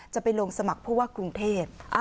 จะไปลงสมัครผู้ว่ากรุงเทพ